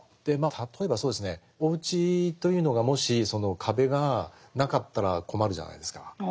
例えばそうですねお家というのがもしその壁がなかったら困るじゃないですか。